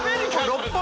６本！？